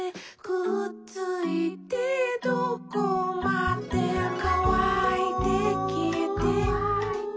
「くっついてどこまでも」「かわいてきえて」